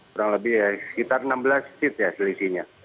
kurang lebih sekitar enam belas seat ya selisihnya